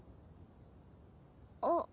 あっ。